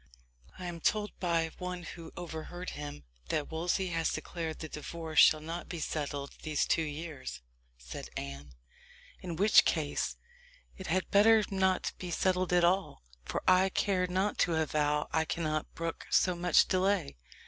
"I am told by one who overheard him, that Wolsey has declared the divorce shall not be settled these two years," said Anne; "in which case it had better not be settled at all; for I care not to avow I cannot brook so much delay.